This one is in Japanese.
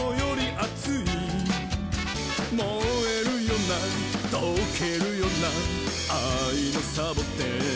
「もえるよなとけるよなあいのサボテン」